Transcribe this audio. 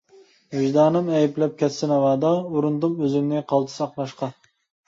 ۋىجدانىم ئەيىبلەپ كەتسە ناۋادا، ئۇرۇندۇم ئۆزۈمنى قالتىس ئاقلاشقا.